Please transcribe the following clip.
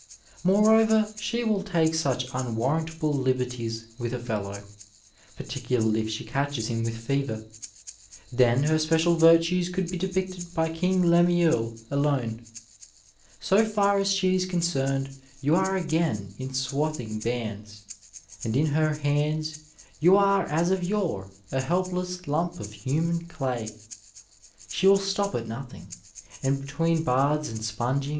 Moreover she will take such unwarrantable liberties with a feUow, particularly if she catches him with fever ; then her special virtues could be depicted by King Lemuel alone. So far as she is concerned you are again in swathing bands, 1 Johns Hopkins Hospital, 1897. Digitized by Google NURSE AND PATIENT and in her hands yon are, as of jore, a helpless lump of human daj. She will stop at nothing, and between baths and sponging?